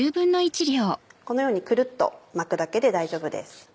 このようにくるっと巻くだけで大丈夫です。